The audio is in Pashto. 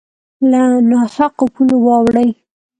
له نا حقو پولو واوړي